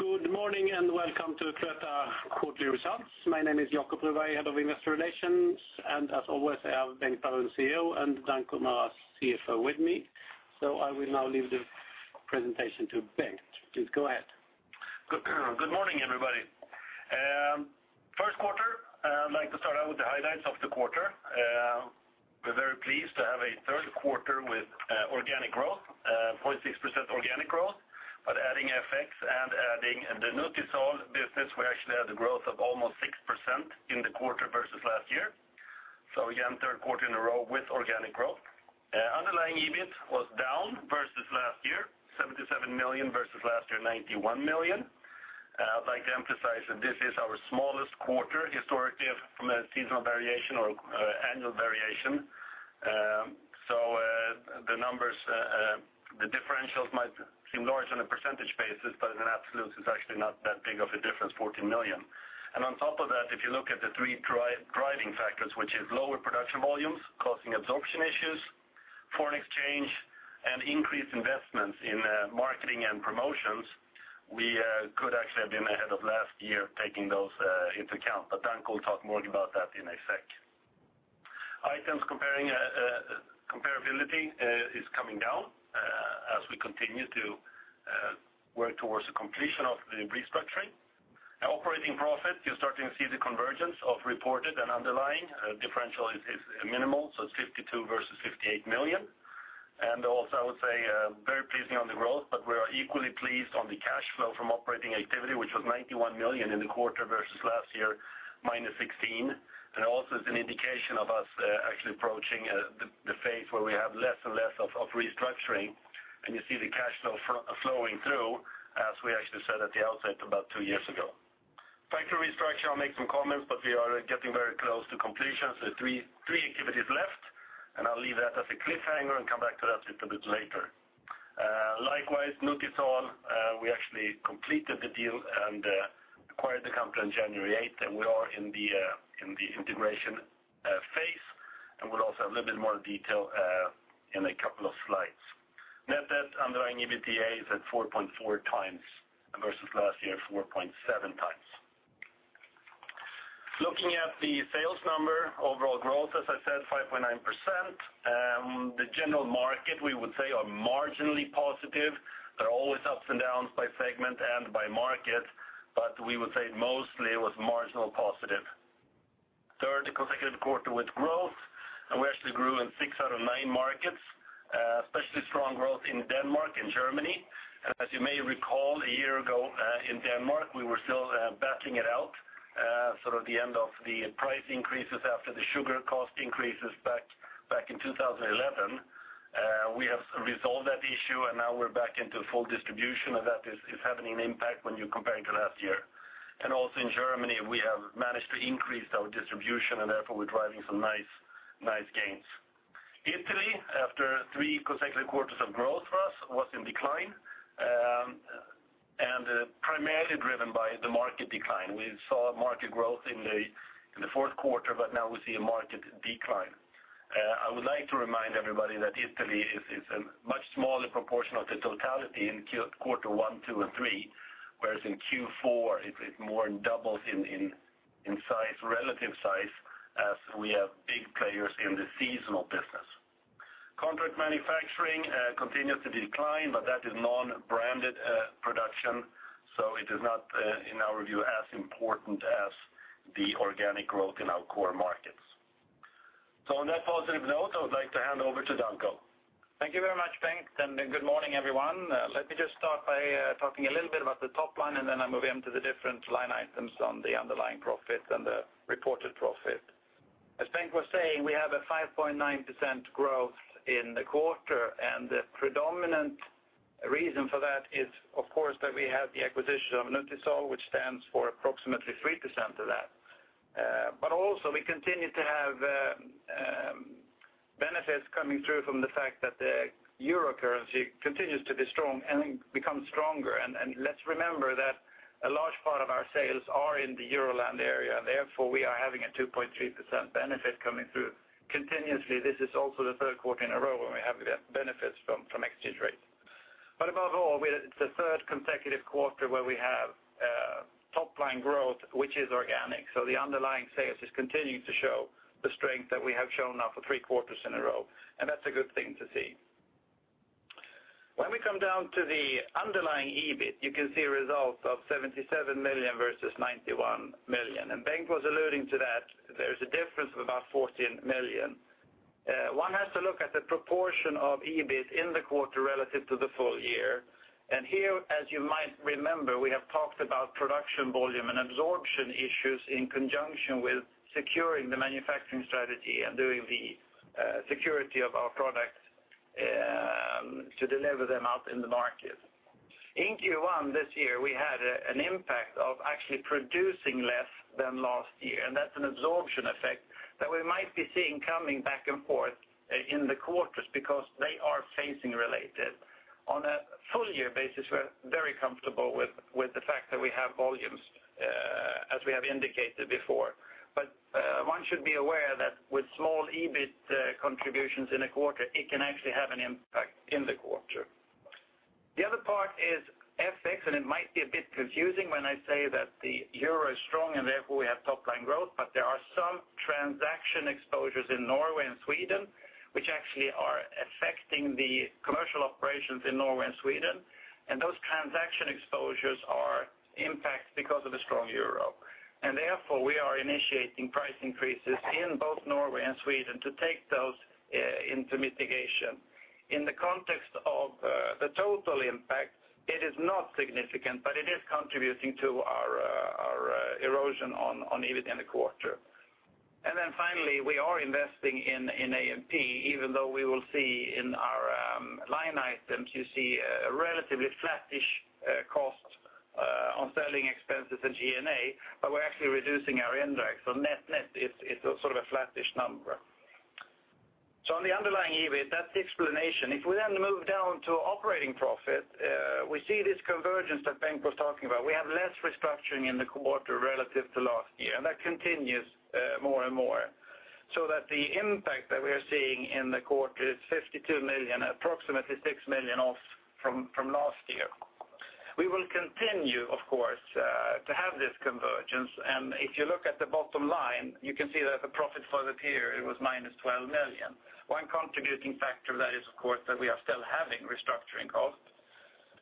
Good morning and welcome to Cloetta Quarterly Results. My name is Jakob Rydén, Head of Investor Relations, and as always I have Bengt Baron, CEO, and Danko Maras, CFO, with me. I will now leave the presentation to Bengt. Please go ahead. Good morning, everybody. First quarter, I'd like to start out with the highlights of the quarter. We're very pleased to have a third quarter with organic growth, 0.6% organic growth, but adding FX and adding the Nutisal business, we actually had a growth of almost 6% in the quarter versus last year. So again, third quarter in a row with organic growth. Underlying EBIT was down versus last year, 77 million versus last year, 91 million. I'd like to emphasize that this is our smallest quarter historically from a seasonal variation or annual variation. So the numbers, the differentials might seem large on a percentage basis, but in absolutes it's actually not that big of a difference, 14 million. And on top of that, if you look at the 3 driving factors, which is lower production volumes causing absorption issues, foreign exchange, and increased investments in marketing and promotions, we could actually have been ahead of last year taking those into account. But Danko will talk more about that in a sec. Items comparability is coming down as we continue to work towards the completion of the restructuring. Operating profit, you're starting to see the convergence of reported and underlying. Differential is minimal, so it's 52 million versus 58 million. And also, I would say, very pleasing on the growth, but we are equally pleased on the cash flow from operating activity, which was 91 million in the quarter versus last year, minus 16 million. Also it's an indication of us actually approaching the phase where we have less and less of restructuring, and you see the cash flow flowing through as we actually said at the outset about two years ago. Factory restructure, I'll make some comments, but we are getting very close to completion. So three activities left, and I'll leave that as a cliffhanger and come back to that a little bit later. Likewise, Nutisal, we actually completed the deal and acquired the company on January 8th, and we are in the integration phase, and we'll also have a little bit more detail in a couple of slides. Net debt, underlying EBITDA is at 4.4 times versus last year, 4.7 times. Looking at the sales number, overall growth, as I said, 5.9%. The general market, we would say, are marginally positive. There are always ups and downs by segment and by market, but we would say mostly it was marginal positive. Third consecutive quarter with growth, and we actually grew in six out of nine markets, especially strong growth in Denmark and Germany. As you may recall, a year ago in Denmark, we were still battling it out, sort of the end of the price increases after the sugar cost increases back in 2011. We have resolved that issue, and now we're back into full distribution, and that is having an impact when you compare it to last year. Also in Germany, we have managed to increase our distribution, and therefore we're driving some nice gains. Italy, after three consecutive quarters of growth for us, was in decline, and primarily driven by the market decline. We saw market growth in the fourth quarter, but now we see a market decline. I would like to remind everybody that Italy is a much smaller proportion of the totality in quarter one, two, and three, whereas in Q4 it more doubles in relative size as we have big players in the seasonal business. Contract manufacturing continues to decline, but that is non-branded production, so it is not, in our view, as important as the organic growth in our core markets. So on that positive note, I would like to hand over to Danko. Thank you very much, Bengt, and good morning, everyone. Let me just start by talking a little bit about the top line, and then I'll move on to the different line items on the underlying profit and the reported profit. As Bengt was saying, we have a 5.9% growth in the quarter, and the predominant reason for that is, of course, that we had the acquisition of Nutisal, which stands for approximately 3% of that. But also we continue to have benefits coming through from the fact that the euro currency continues to be strong and becomes stronger. And let's remember that a large part of our sales are in the Euroland area, and therefore we are having a 2.3% benefit coming through continuously. This is also the third quarter in a row when we have benefits from exchange rates. But above all, it's the third consecutive quarter where we have top-line growth, which is organic. So the underlying sales is continuing to show the strength that we have shown now for three quarters in a row, and that's a good thing to see. When we come down to the underlying EBIT, you can see results of 77 million versus 91 million. And Bengt was alluding to that. There's a difference of about 14 million. One has to look at the proportion of EBIT in the quarter relative to the full year. And here, as you might remember, we have talked about production volume and absorption issues in conjunction with securing the manufacturing strategy and doing the security of our products to deliver them out in the market. In Q1 this year, we had an impact of actually producing less than last year, and that's an absorption effect that we might be seeing coming back and forth in the quarters because they are phasing related. On a full-year basis, we're very comfortable with the fact that we have volumes, as we have indicated before. But one should be aware that with small EBIT contributions in a quarter, it can actually have an impact in the quarter. The other part is FX, and it might be a bit confusing when I say that the euro is strong and therefore we have top-line growth, but there are some transaction exposures in Norway and Sweden, which actually are affecting the commercial operations in Norway and Sweden. Those transaction exposures are impacted because of the strong euro, and therefore we are initiating price increases in both Norway and Sweden to take those into mitigation. In the context of the total impact, it is not significant, but it is contributing to our erosion on EBIT in the quarter. Then finally, we are investing in A&P, even though we will see in our line items, you see a relatively flattish cost on selling expenses and G&A, but we're actually reducing our indirect. So net-net, it's sort of a flattish number. On the underlying EBIT, that's the explanation. If we then move down to operating profit, we see this convergence that Bengt was talking about. We have less restructuring in the quarter relative to last year, and that continues more and more. So that the impact that we are seeing in the quarter is 52 million, approximately 6 million off from last year. We will continue, of course, to have this convergence, and if you look at the bottom line, you can see that the profit for the period was -12 million. One contributing factor of that is, of course, that we are still having restructuring costs.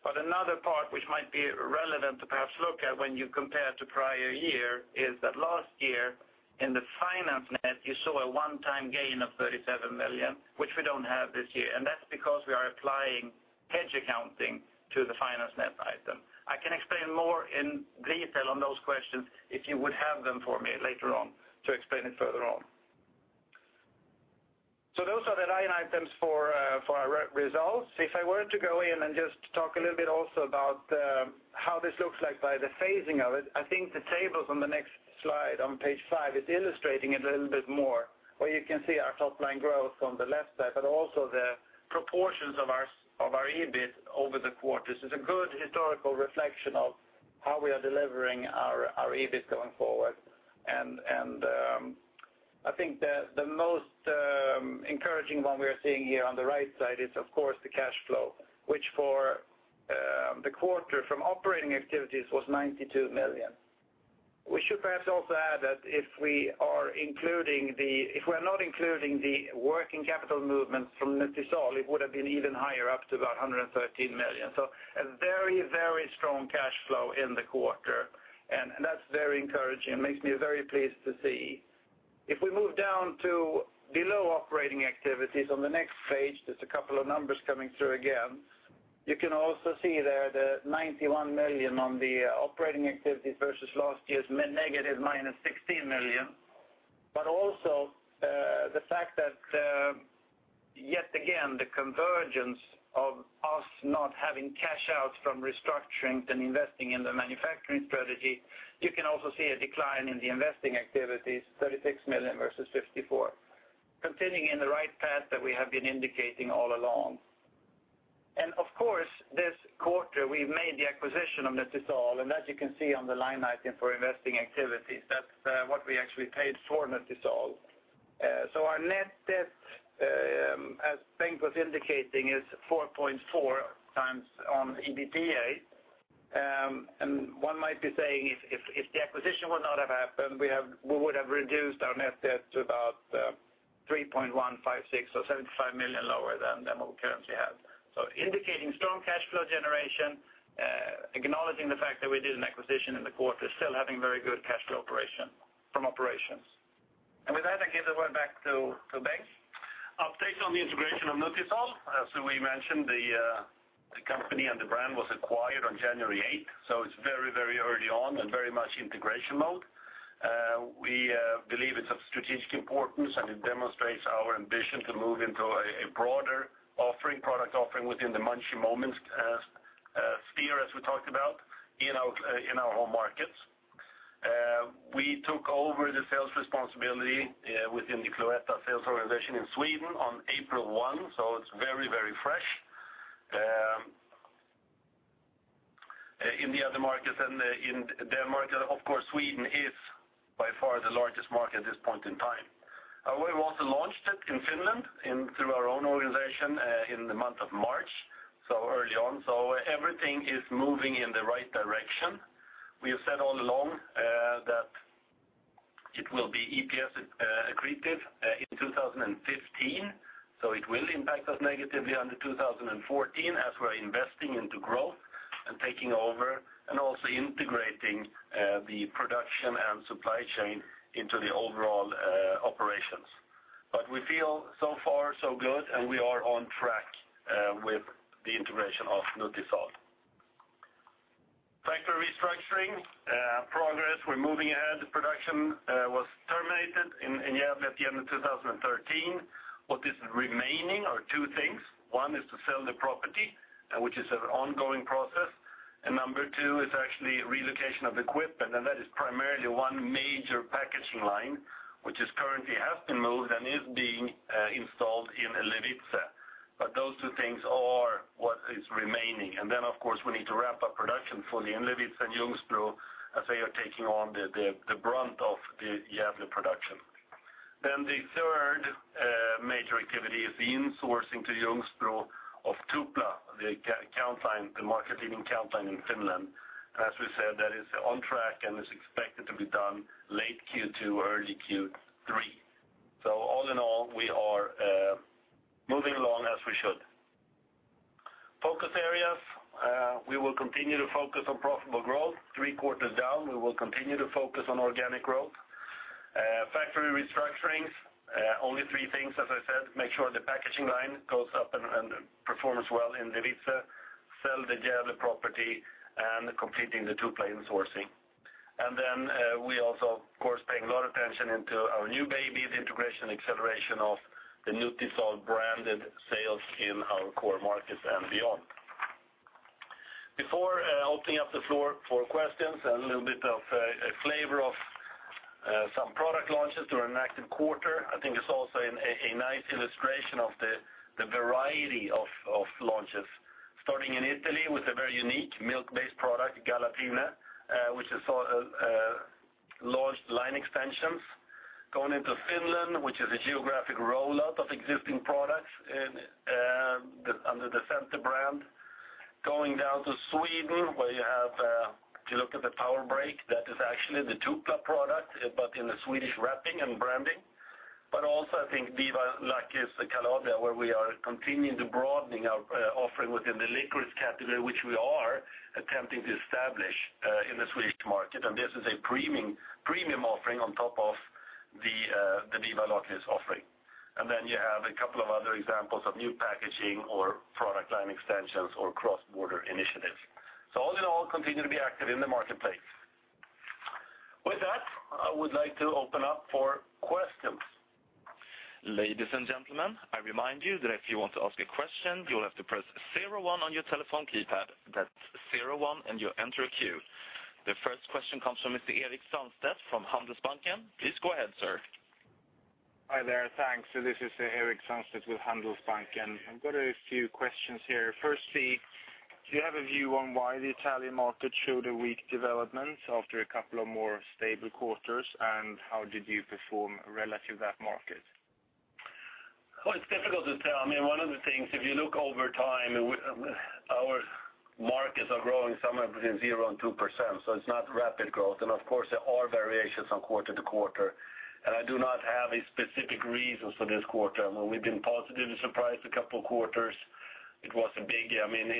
But another part which might be relevant to perhaps look at when you compare to prior year is that last year, in the finance net, you saw a one-time gain of 37 million, which we don't have this year, and that's because we are applying hedge accounting to the finance net item. I can explain more in detail on those questions if you would have them for me later on to explain it further on. So those are the line items for our results. If I were to go in and just talk a little bit also about how this looks like by the phasing of it, I think the tables on the next slide on page 5 is illustrating it a little bit more, where you can see our top-line growth on the left side, but also the proportions of our EBIT over the quarters. It's a good historical reflection of how we are delivering our EBIT going forward. And I think the most encouraging one we are seeing here on the right side is, of course, the cash flow, which for the quarter from operating activities was 92 million. We should perhaps also add that if we are not including the working capital movements from Nutisal, it would have been even higher, up to about 113 million. So a very, very strong cash flow in the quarter, and that's very encouraging and makes me very pleased to see. If we move down to below operating activities on the next page, there's a couple of numbers coming through again. You can also see there the 91 million on the operating activities versus last year's negative minus 16 million. But also the fact that, yet again, the convergence of us not having cash out from restructuring and investing in the manufacturing strategy, you can also see a decline in the investing activities, 36 million versus 54 million, continuing in the right path that we have been indicating all along. And of course, this quarter, we've made the acquisition of Nutisal, and as you can see on the line item for investing activities, that's what we actually paid for Nutisal. Our net debt, as Bengt was indicating, is 4.4 times on EBITDA. One might be saying, if the acquisition would not have happened, we would have reduced our net debt to about 3.156 or 75 million lower than what we currently have. Indicating strong cash flow generation, acknowledging the fact that we did an acquisition in the quarter, still having very good cash flow from operations. With that, I'll give the word back to Bengt. Updates on the integration of Nutisal. As we mentioned, the company and the brand was acquired on January 8th, so it's very, very early on and very much integration mode. We believe it's of strategic importance, and it demonstrates our ambition to move into a broader product offering within the Munchy Moments sphere, as we talked about, in our home markets. We took over the sales responsibility within the Cloetta sales organization in Sweden on April 1, so it's very, very fresh. In the other markets in Denmark, of course, Sweden is by far the largest market at this point in time. However, we also launched it in Finland through our own organization in the month of March, so early on. So everything is moving in the right direction. We have said all along that it will be EPS-accretive in 2015, so it will impact us negatively under 2014 as we're investing into growth and taking over and also integrating the production and supply chain into the overall operations. But we feel so far so good, and we are on track with the integration of Nutisal. Factory restructuring progress, we're moving ahead. Production was terminated in Gävle at the end of 2013. What is remaining are two things. One is to sell the property, which is an ongoing process. And number two is actually relocation of equipment, and that is primarily one major packaging line, which currently has been moved and is being installed in Levice. But those two things are what is remaining. And then, of course, we need to wrap up production fully in Levice and Ljungsbro, as they are taking on the brunt of the Gävle production. Then the third major activity is the insourcing to Ljungsbro of Tupla, the market-leading countline in Finland. And as we said, that is on track and is expected to be done late Q2, early Q3. So all in all, we are moving along as we should. Focus areas, we will continue to focus on profitable growth. Three quarters down, we will continue to focus on organic growth. Factory restructurings, only three things, as I said. Make sure the packaging line goes up and performs well in Levice, sell the Gävle property, and completing the Tupla insourcing. And then we also, of course, paying a lot of attention into our new baby, the integration acceleration of the Nutisal branded sales in our core markets and beyond. Before opening up the floor for questions and a little bit of a flavor of some product launches during an active quarter, I think it's also a nice illustration of the variety of launches. Starting in Italy with a very unique milk-based product, Galatine, which has launched line extensions. Going into Finland, which is a geographic roll-out of existing products under the Center brand. Going down to Sweden, where you have if you look at the Powerbreak, that is actually the Tupla product, but in the Swedish wrapping and branding. But also, I think Viva Lakrits Calabria, where we are continuing to broaden our offering within the licorice category, which we are attempting to establish in the Swedish market, and this is a premium offering on top of the Viva Lakrits offering. And then you have a couple of other examples of new packaging or product line extensions or cross-border initiatives. So all in all, continue to be active in the marketplace. With that, I would like to open up for questions. Ladies and gentlemen, I remind you that if you want to ask a question, you will have to press 01 on your telephone keypad. That's 01, and you enter a queue. The first question comes from Mr. Erik Sandstedt from Handelsbanken. Please go ahead, sir. Hi there. Thanks. So this is Erik Sandstedt with Handelsbanken. I've got a few questions here. Firstly, do you have a view on why the Italian market showed a weak development after a couple of more stable quarters, and how did you perform relative to that market? Oh, it's difficult to tell. I mean, one of the things, if you look over time, our markets are growing somewhere between 0%-2%, so it's not rapid growth. Of course, there are variations from quarter to quarter, and I do not have a specific reason for this quarter. I mean, we've been positively surprised a couple of quarters. It was a big I mean,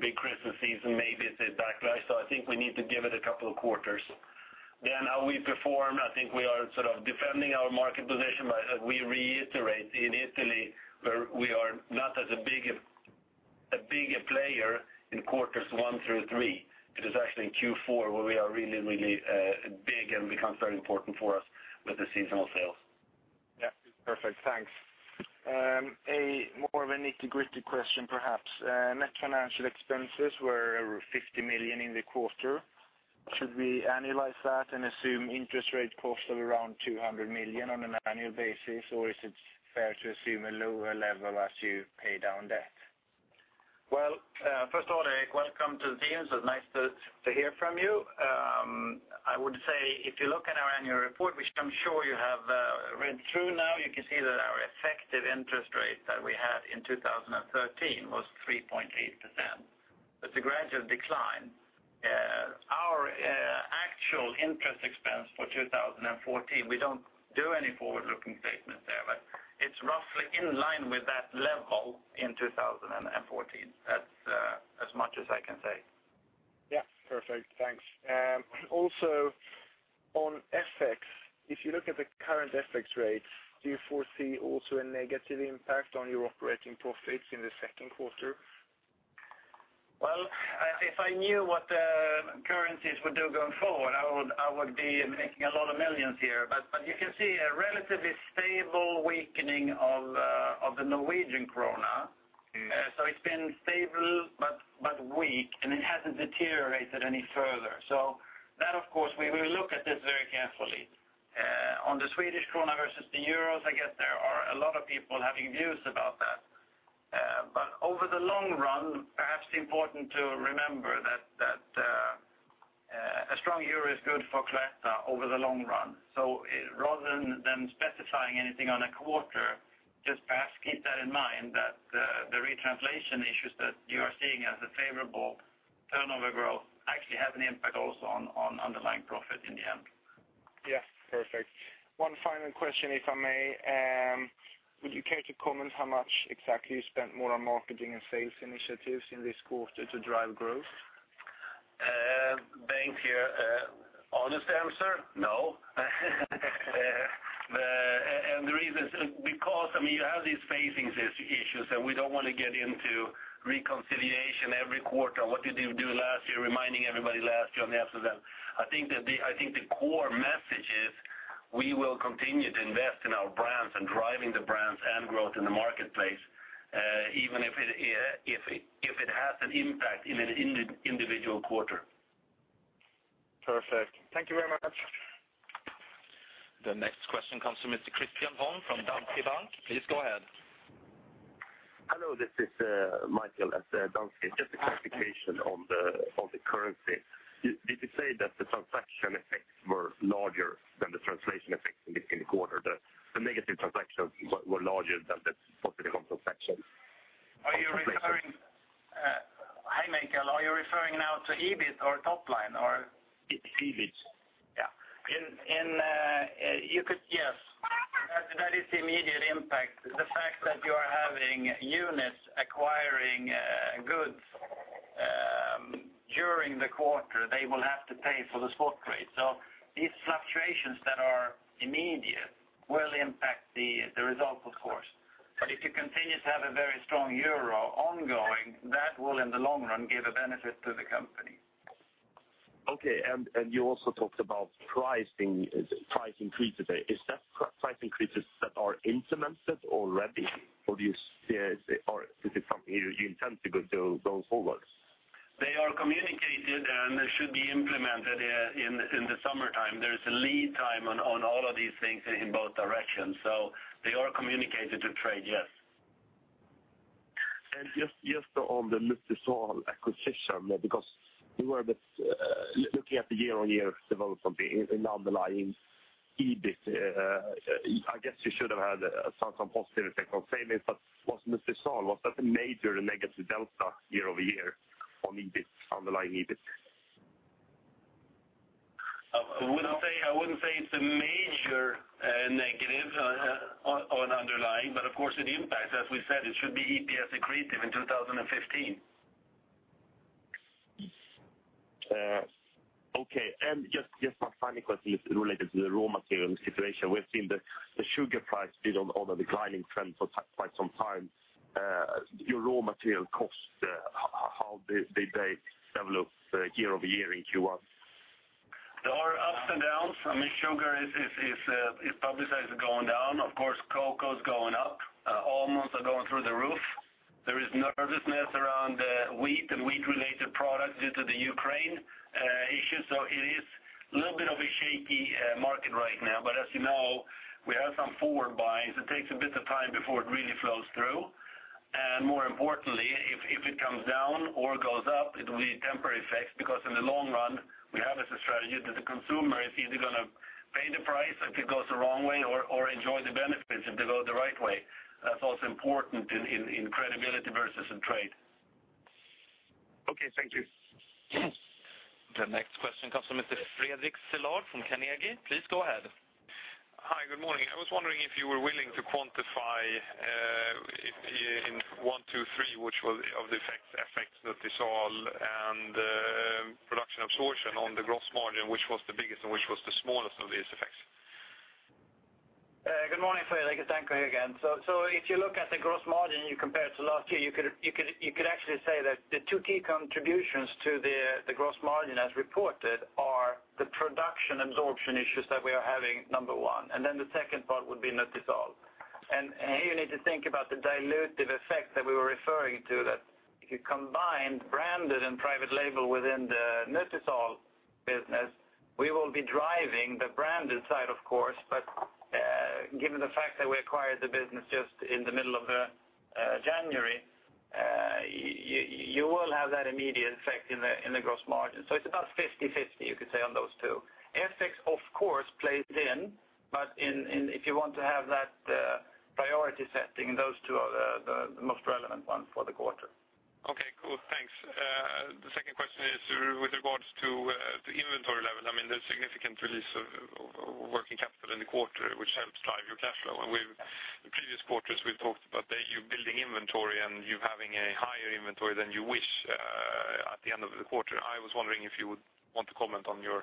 big Christmas season, maybe it's a backlash, so I think we need to give it a couple of quarters. Then how we performed, I think we are sort of defending our market position, but we reiterate, in Italy, we are not as big a player in quarters one through three. It is actually in Q4 where we are really, really big and becomes very important for us with the seasonal sales. Yeah. Perfect. Thanks. A more of a nitty-gritty question, perhaps. Net financial expenses, we're over 50 million in the quarter. Should we annualize that and assume interest rate costs of around 200 million on an annual basis, or is it fair to assume a lower level as you pay down debt? Well, first of all, Erik, welcome to the team. It's nice to hear from you. I would say if you look at our annual report, which I'm sure you have read through now, you can see that our effective interest rate that we had in 2013 was 3.8%. It's a gradual decline. Our actual interest expense for 2014, we don't do any forward-looking statements there, but it's roughly in line with that level in 2014, that's as much as I can say. Yeah. Perfect. Thanks. Also, on FX, if you look at the current FX rates, do you foresee also a negative impact on your operating profits in the second quarter? Well, if I knew what currencies would do going forward, I would be making a lot of millions here. But you can see a relatively stable weakening of the Norwegian krone. So it's been stable but weak, and it hasn't deteriorated any further. So that, of course, we will look at this very carefully. On the Swedish krona versus the euro, I guess there are a lot of people having views about that. But over the long run, perhaps important to remember that a strong euro is good for Cloetta over the long run. So rather than specifying anything on a quarter, just perhaps keep that in mind, that the retranslation issues that you are seeing as a favorable turnover growth actually have an impact also on underlying profit in the end. Yeah. Perfect. One final question, if I may. Would you care to comment how much exactly you spent more on marketing and sales initiatives in this quarter to drive growth? Bengt here. Honest answer, no. The reason is because, I mean, you have these phasing issues, and we don't want to get into reconciliation every quarter on what did you do last year, reminding everybody last year on the aftermath. I think the core message is we will continue to invest in our brands and driving the brands and growth in the marketplace, even if it has an impact in an individual quarter. Perfect. Thank you very much. The next question comes from Mr. Mikael Holm from Danske Bank. Please go ahead. Hello. This is Mikael at Danske. Just a clarification on the currency. Did you say that the transaction effects were larger than the translation effects in the quarter? The negative transactions were larger than the positive transactions. Are you referring? Hi, Mikael, are you referring now to EBIT or top line, or? EBIT. Yeah. You could, yes. That is the immediate impact. The fact that you are having units acquiring goods during the quarter, they will have to pay for the spot rate. So these fluctuations that are immediate will impact the results, of course. But if you continue to have a very strong euro ongoing, that will, in the long run, give a benefit to the company. Okay. And you also talked about price increases there. Is that price increases that are implemented already, or do you see or is it something you intend to go forward? They are communicated, and they should be implemented in the summertime. There is a lead time on all of these things in both directions. So they are communicated to trade, yes. Just on the Nutisal acquisition, because we were looking at the year-on-year development in the underlying EBIT, I guess you should have had some positive effects on savings. But was Nutisal that a major negative delta year-over-year on underlying EBIT? I wouldn't say it's a major negative on underlying, but of course, it impacts. As we said, it should be EPS-accretive in 2015. Okay. Just my final question is related to the raw material situation. We've seen the sugar price be on a declining trend for quite some time. Your raw material costs, how did they develop year-over-year in Q1? There are ups and downs. I mean, sugar is publicized as going down. Of course, cocoa is going up. Almonds are going through the roof. There is nervousness around wheat and wheat-related products due to the Ukraine issues. So it is a little bit of a shaky market right now. But as you know, we have some forward buys. It takes a bit of time before it really flows through. And more importantly, if it comes down or goes up, it will be temporary effects because in the long run, we have as a strategy that the consumer is either going to pay the price if it goes the wrong way or enjoy the benefits if they go the right way. That's also important in credibility versus trade. Okay. Thank you. The next question comes from Mr. Fredrik Villard from Carnegie. Please go ahead. Hi. Good morning. I was wondering if you were willing to quantify in one, two, three, which of the effects Nutisal and production absorption on the gross margin, which was the biggest and which was the smallest of these effects? Good morning, Fredrik. Thank you again. So if you look at the gross margin, you compare it to last year, you could actually say that the two key contributions to the gross margin, as reported, are the production absorption issues that we are having, number one. And then the second part would be Nutisal. And here you need to think about the dilutive effect that we were referring to, that if you combine branded and private label within the Nutisal business, we will be driving the branded side, of course. But given the fact that we acquired the business just in the middle of January, you will have that immediate effect in the gross margin. So it's about 50/50, you could say, on those two. FX, of course, plays in, but if you want to have that priority setting, those two are the most relevant ones for the quarter. Okay. Cool. Thanks. The second question is with regards to inventory level. I mean, there's significant release of working capital in the quarter, which helps drive your cash flow. And in previous quarters, we've talked about you building inventory and you having a higher inventory than you wish at the end of the quarter. I was wondering if you would want to comment on your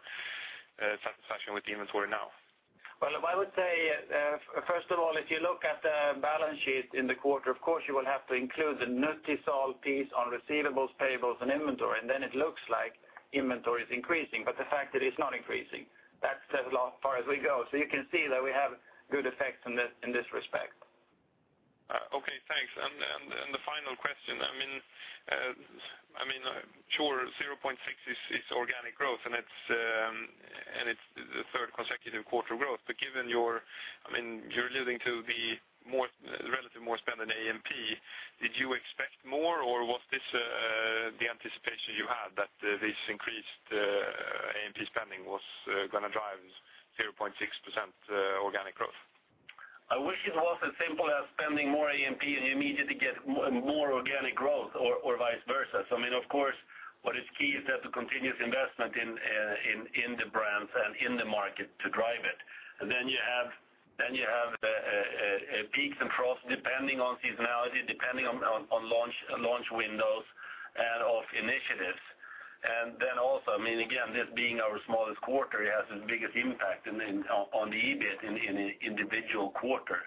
satisfaction with the inventory now. Well, I would say, first of all, if you look at the balance sheet in the quarter, of course, you will have to include the Nutisal piece on receivables, payables, and inventory. And then it looks like inventory is increasing, but the fact that it's not increasing, that's as far as we go. So you can see that we have good effects in this respect. Okay. Thanks. And the final question. I mean, sure, 0.6 is organic growth, and it's the third consecutive quarter growth. But given your I mean, you're alluding to the relative more spend on A&P. Did you expect more, or was this the anticipation you had, that this increased A&P spending was going to drive 0.6% organic growth? I wish it was as simple as spending more A&P and you immediately get more organic growth or vice versa. So I mean, of course, what is key is that the continuous investment in the brands and in the market to drive it. And then you have peaks and troughs depending on seasonality, depending on launch windows, and of initiatives. And then also, I mean, again, this being our smallest quarter, it has the biggest impact on the EBIT in an individual quarter.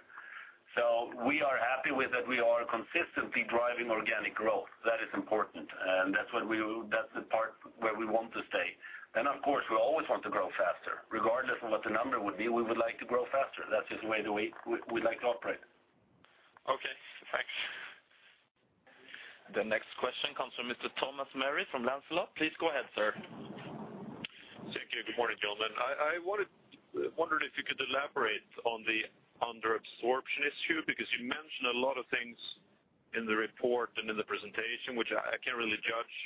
So we are happy with that we are consistently driving organic growth. That is important, and that's the part where we want to stay. Then, of course, we always want to grow faster. Regardless of what the number would be, we would like to grow faster. That's just the way we'd like to operate. Okay. Thanks. The next question comes from Mr. Thomas Merry from Lancelot. Please go ahead, sir. Thank you. Good morning, gentlemen. I wondered if you could elaborate on the underabsorption issue because you mentioned a lot of things in the report and in the presentation, which I can't really judge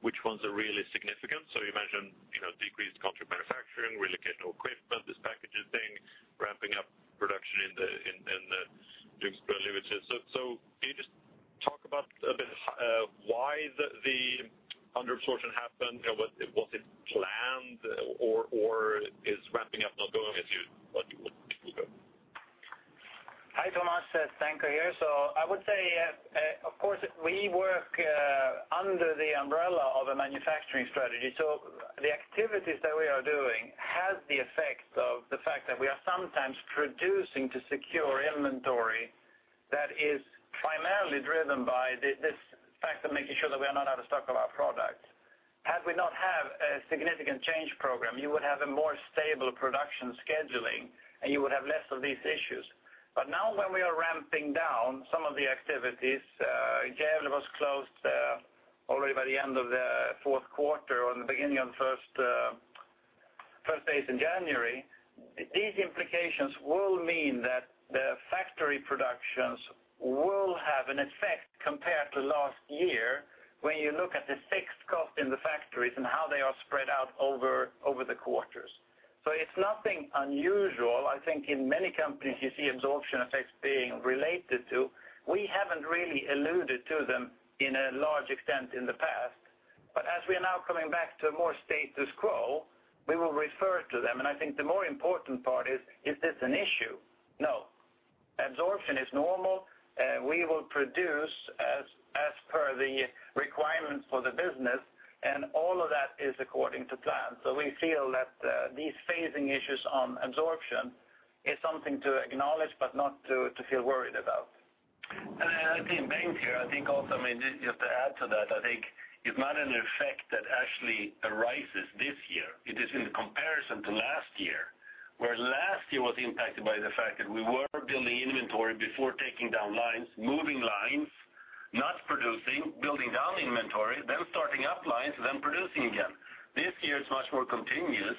which ones are really significant. So you mentioned decreased contract manufacturing, relocation of equipment, this packaging thing, ramping up production in the Ljungsbro. So can you just talk about a bit why the underabsorption happened? Was it planned, or is ramping up not going as you would hope it would go? Hi, Thomas. Thank you here. So I would say, of course, we work under the umbrella of a manufacturing strategy. So the activities that we are doing have the effect of the fact that we are sometimes producing to secure inventory that is primarily driven by this fact of making sure that we are not out of stock of our products. Had we not had a significant change program, you would have a more stable production scheduling, and you would have less of these issues. But now when we are ramping down some of the activities, Gävle was closed already by the end of the fourth quarter or in the beginning of the first days in January. These implications will mean that the factory productions will have an effect compared to last year when you look at the fixed cost in the factories and how they are spread out over the quarters. So it's nothing unusual. I think in many companies, you see absorption effects being related to. We haven't really alluded to them in a large extent in the past. But as we are now coming back to a more status quo, we will refer to them. And I think the more important part is, is this an issue? No. Absorption is normal. We will produce as per the requirements for the business, and all of that is according to plan. So we feel that these phasing issues on absorption is something to acknowledge but not to feel worried about. And again, Bengt here, I think also, I mean, just to add to that, I think it's not an effect that actually arises this year. It is in the comparison to last year, where last year was impacted by the fact that we were building inventory before taking down lines, moving lines, not producing, building down inventory, then starting up lines, then producing again. This year, it's much more continuous.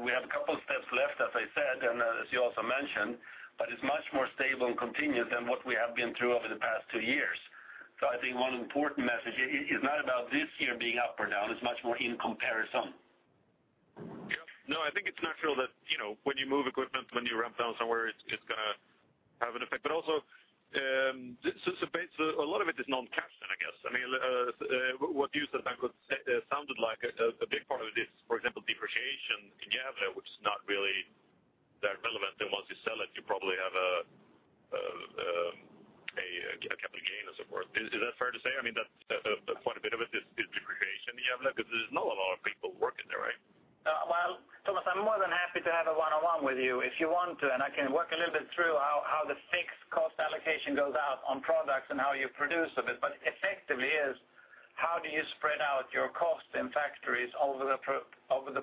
We have a couple of steps left, as I said and as you also mentioned, but it's much more stable and continuous than what we have been through over the past two years. So I think one important message is not about this year being up or down. It's much more in comparison. Yeah. No, I think it's natural that when you move equipment, when you ramp down somewhere, it's going to have an effect. But also, a lot of it is non-cash then, I guess. I mean, what you said, Bengt, sounded like a big part of it is, for example, depreciation in Gävle, which is not really that relevant. And once you sell it, you probably have a capital gain, and so forth. Is that fair to say? I mean, quite a bit of it is depreciation in Gävle because there's not a lot of people working there, right? Well, Thomas, I'm more than happy to have a one-on-one with you if you want to. And I can work a little bit through how the fixed cost allocation goes out on products and how you produce of it. But effectively, it is how do you spread out your costs in factories over the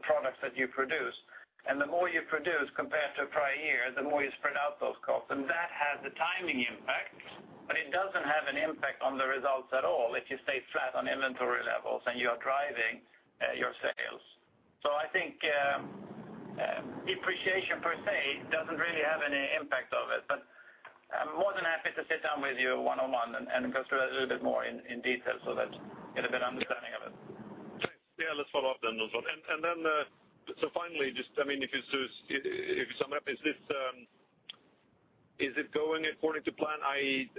products that you produce? And the more you produce compared to a prior year, the more you spread out those costs. And that has the timing impact, but it doesn't have an impact on the results at all if you stay flat on inventory levels and you are driving your sales. So I think depreciation per se doesn't really have any impact of it. But I'm more than happy to sit down with you one-on-one and go through it a little bit more in detail so that you get a better understanding of it. Thanks. Yeah. Let's follow up then, Nathalie. And then so finally, just I mean, if you sum it up, is it going according to plan, i.e.,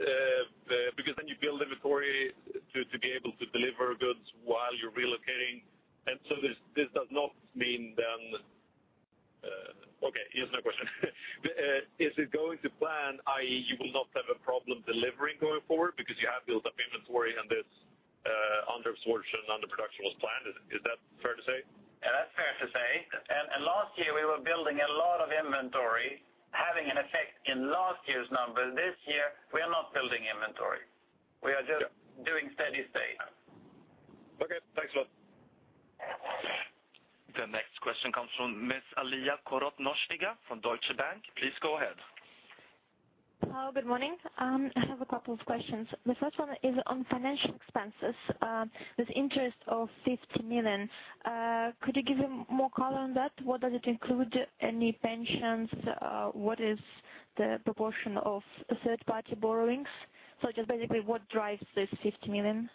because then you build inventory to be able to deliver goods while you're relocating? And so this does not mean then, okay. Yes. No question. Is it going to plan, i.e., you will not have a problem delivering going forward because you have built up inventory and this underabsorption, underproduction was planned? Is that fair to say? Yeah. That's fair to say. Last year, we were building a lot of inventory, having an effect in last year's numbers. This year, we are not building inventory. We are just doing steady state. Okay. Thanks a lot. The next question comes from Ms. Alla Korotonozhkina from Deutsche Bank. Please go ahead. Hi. Good morning. I have a couple of questions. The first one is on financial expenses. This interest of 50 million, could you give me more color on that? What does it include? Any pensions? What is the proportion of third-party borrowings? So just basically, what drives this 50 million?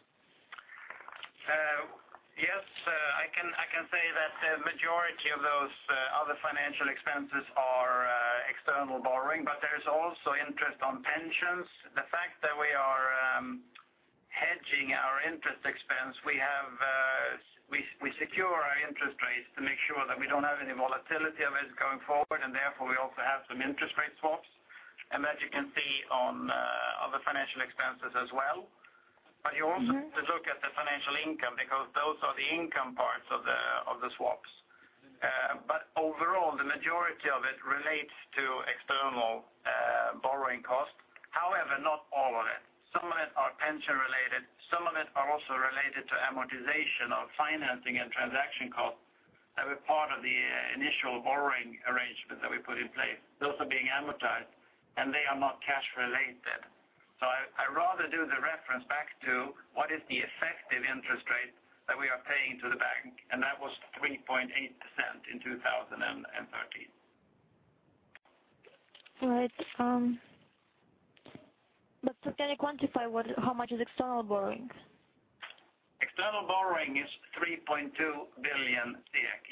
Yes. I can say that the majority of those other financial expenses are external borrowing, but there's also interest on pensions. The fact that we are hedging our interest expense, we secure our interest rates to make sure that we don't have any volatility of it going forward, and therefore, we also have some interest rate swaps, and that you can see on other financial expenses as well. But you also need to look at the financial income because those are the income parts of the swaps. But overall, the majority of it relates to external borrowing costs. However, not all of it. Some of it are pension-related. Some of it are also related to amortization of financing and transaction costs that were part of the initial borrowing arrangement that we put in place. Those are being amortized, and they are not cash-related. I'd rather do the reference back to what is the effective interest rate that we are paying to the bank, and that was 3.8% in 2013. All right. But can you quantify how much is external borrowing? External borrowing is 3.2 billion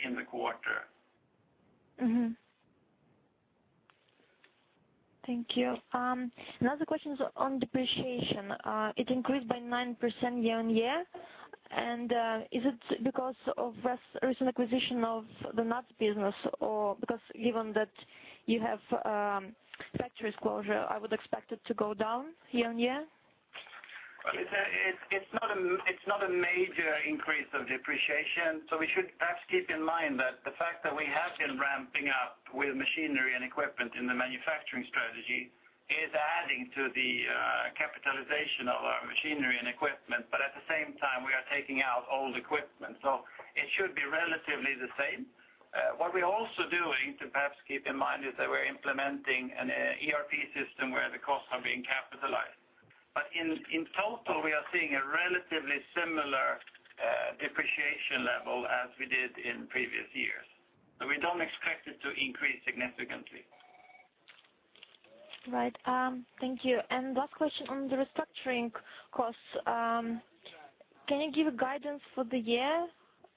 in the quarter. Thank you. Another question is on depreciation. It increased by 9% year-on-year. Is it because of recent acquisition of the Nutisal business or because, given that you have factory closure, I would expect it to go down year-on-year? It's not a major increase of depreciation. So we should perhaps keep in mind that the fact that we have been ramping up with machinery and equipment in the manufacturing strategy is adding to the capitalization of our machinery and equipment. But at the same time, we are taking out old equipment. So it should be relatively the same. What we're also doing to perhaps keep in mind is that we're implementing an ERP system where the costs are being capitalized. But in total, we are seeing a relatively similar depreciation level as we did in previous years. So we don't expect it to increase significantly. Right. Thank you. Last question on the restructuring costs. Can you give guidance for the year?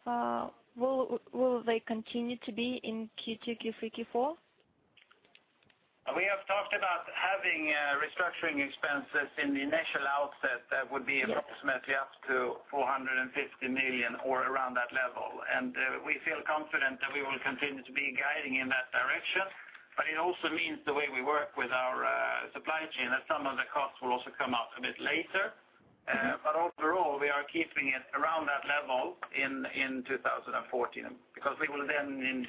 Will they continue to be in Q2, Q3, Q4? We have talked about having restructuring expenses in the initial outset that would be approximately up to 450 million or around that level. We feel confident that we will continue to be guiding in that direction. It also means the way we work with our supply chain that some of the costs will also come out a bit later. Overall, we are keeping it around that level in 2014 because we will then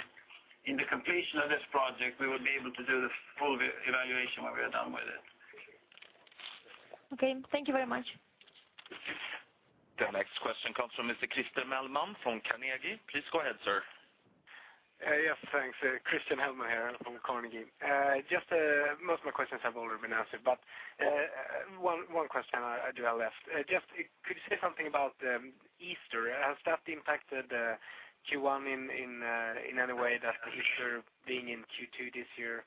in the completion of this project, we will be able to do the full evaluation when we are done with it. Okay. Thank you very much. The next question comes from Mr. Christian Hellman from Carnegie. Please go ahead, sir. Yes. Thanks. Christian Hellman here from Carnegie. Most of my questions have already been answered, but one question I do have left. Just could you say something about Easter? Has that impacted Q1 in any way that the Easter being in Q2 this year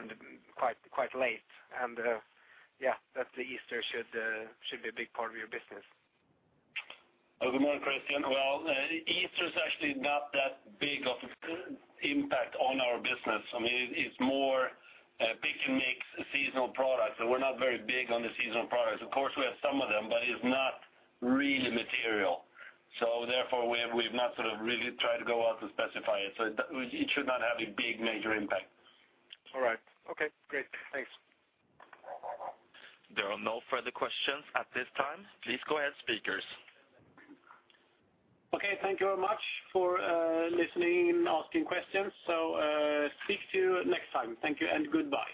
and quite late? And yeah, that the Easter should be a big part of your business. Good morning, Christian. Well, Easter is actually not that big of an impact on our business. I mean, it's more Pick & Mix seasonal products. We're not very big on the seasonal products. Of course, we have some of them, but it's not really material. So therefore, we've not sort of really tried to go out and specify it. So it should not have a big, major impact. All right. Okay. Great. Thanks. There are no further questions at this time. Please go ahead, speakers. Okay. Thank you very much for listening and asking questions. So speak to you next time. Thank you and goodbye.